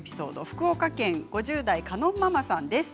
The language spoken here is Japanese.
福岡県５０代の方です。